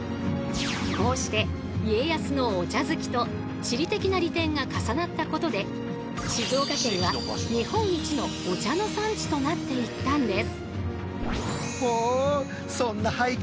こうして家康のお茶好きと地理的な利点が重なったことで静岡県は日本一のお茶の産地となっていったんです。